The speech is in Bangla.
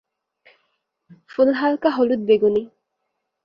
ফুল হালকা হলুদ-বেগুনি।